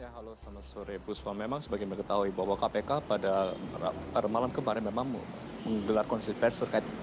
halo selamat sore bu sopo memang sebagai yang mengetahui kpk pada malam kemarin memang menggelar konsisten pers terkait